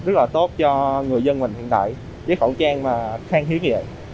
rất là tốt cho người dân mình hiện đại với khẩu trang mà khang hiếu như vậy